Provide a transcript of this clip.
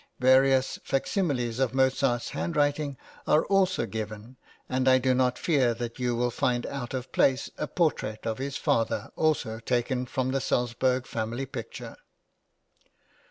Various fac similes of Mozart's handwriting are also given, and I do not fear that you will find out of place a portrait of his father, also taken from the Salzburg family picture.